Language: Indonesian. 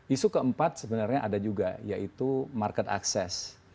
isu keempat sebenarnya ada juga yaitu market access